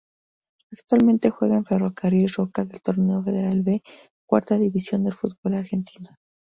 Actualmente juega en Ferrocarril Roca del Torneo Federal B, cuarta división del fútbol argentino.